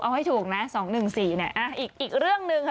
เอาให้ถูกนะ๒๑๔เนี่ยอีกเรื่องหนึ่งค่ะ